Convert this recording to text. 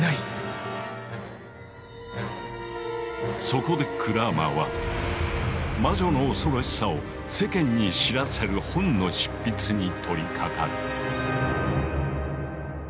そこでクラーマーは魔女の恐ろしさを世間に知らせる本の執筆に取りかかる。